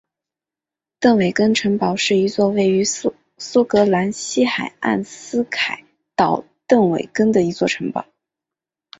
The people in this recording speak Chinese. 邓韦根城堡是一座位于苏格兰西海岸斯凯岛邓韦根的一座城堡。